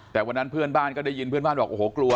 แต่วันนั้นเพื่อนบ้านก็ได้ยินเพื่อนบ้านบอกโอ้โหกลัว